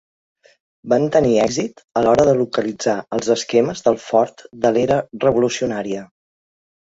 Van tenir èxit a l'hora de localitzar els esquemes del fort de l'era revolucionària.